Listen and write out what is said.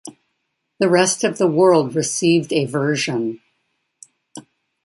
The rest of the world received a version.